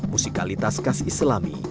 musikalitas kas islami